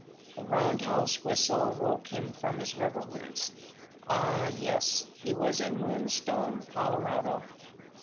The roundhouse whistle woke him from his reveries. Ah, yes, he was in Moonstone, Colorado.